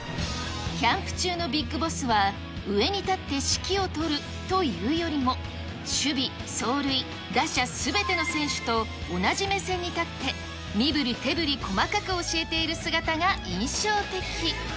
キャンプ中のビッグボスは、上に立って指揮を執るというよりも、守備、走塁、打者すべての選手と同じ目線に立って、身ぶり手ぶり細かく教えている姿が印象的。